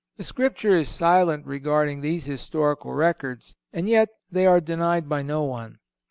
The Scripture is silent regarding these historical records, and yet they are denied by no one.